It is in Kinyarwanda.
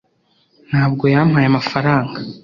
ntabwo yampaye amafaranga